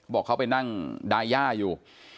บอกเขาไปนั่งดายย่าอยู่